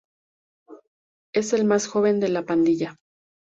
Es el más joven de la pandilla.